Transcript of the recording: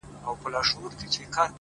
اچيل یې ژاړي؛ مړ یې پېزوان دی؛